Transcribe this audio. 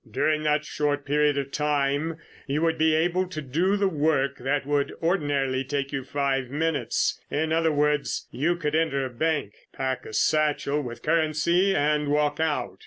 During that short period of time, you would be able to do the work that would ordinarily take you five minutes. In other words, you could enter a bank, pack a satchel with currency and walk out.